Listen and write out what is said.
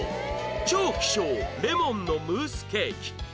超希少レモンのムースケーキ